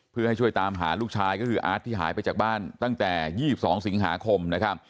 เพื่อให้ช่วยตามหาลูกชายก็คืออาร์ตที่หายไปจากบ้านตั้งแต่๒๒สิงหาคมนะครับ